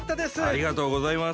ありがとうございます。